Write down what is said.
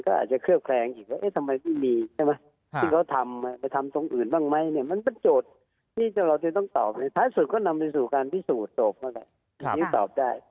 ต่อจุดถ้าเราจะต้องตอบก็ในคราวสุดก็นำไปสู่การพิสูจน์ตอบ